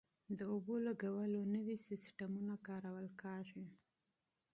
د اوبو لګولو نوي سیستمونه کارول کیږي.